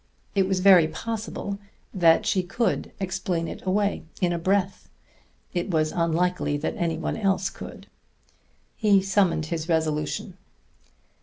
It was very possible that she could explain it away in a breath: it was unlikely that any one else could. He summoned his resolution.